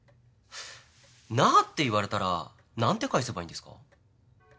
「なぁ」って言われたらなんて返せばいいんですか？